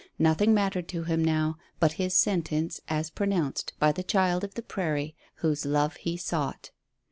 Nothing mattered to him now but his sentence as pronounced by the child of the prairie whose love he sought.